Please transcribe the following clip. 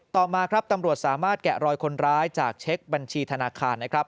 ต่อมาครับตำรวจสามารถแกะรอยคนร้ายจากเช็คบัญชีธนาคารนะครับ